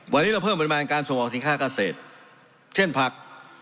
วันนี้เราเพิ่มปริมาณการส่งออกสินค้าเกษตรเช่นผัก